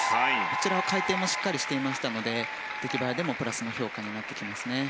こちら回転もしっかりしていましたので出来栄えでもプラスの評価になってきますね。